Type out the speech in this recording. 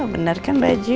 bener kan baju